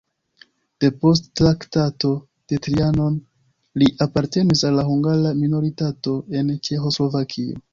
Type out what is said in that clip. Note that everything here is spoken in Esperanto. Depost Traktato de Trianon li apartenis al la hungara minoritato en Ĉeĥoslovakio.